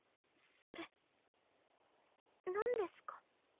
それなんですか？